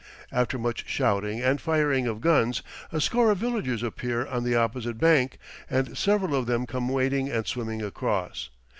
After much shouting and firing of guns, a score of villagers appear on the opposite bank, and several of them come wading and swimming across.